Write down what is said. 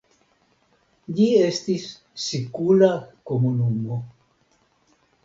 Ĝi estis sikula komunumo.